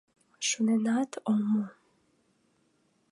Шоненат ом му...